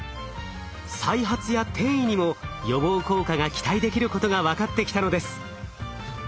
再発や転移にも予防効果が期待できることが分かってきたのです。